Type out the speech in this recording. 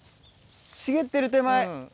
茂ってる手前？